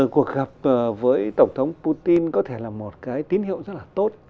cuộc gặp với tổng thống putin có thể là một cái tín hiệu rất là tốt